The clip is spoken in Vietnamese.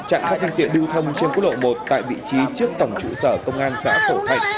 chặn các phương tiện đưu thông trên quốc lộ một tại vị trí trước tổng chủ sở công an xã phổ thạnh